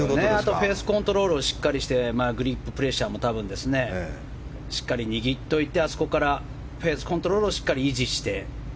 フェースコントロールもしっかりしてグリッププレッシャーもしっかり握っといてあそこからフェースコントロールをしっかり維持して。